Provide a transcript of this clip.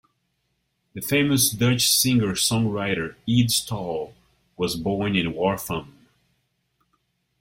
The famous Dutch singer-songwriter Ede Staal was born in Warffum.